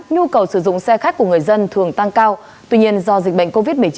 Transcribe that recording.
nhu cầu sử dụng xe khách của người dân thường tăng cao tuy nhiên do dịch bệnh covid một mươi chín